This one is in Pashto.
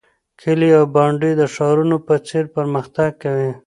کلي او بانډې د ښارونو په څیر پرمختګ کوي.